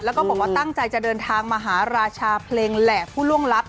แล้วก็บอกว่าตั้งใจจะเดินทางมาหาราชาเพลงแหล่ผู้ล่วงลับ